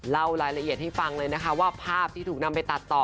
เล่ารายละเอียดให้ฟังเลยนะคะว่าภาพที่ถูกนำไปตัดต่อ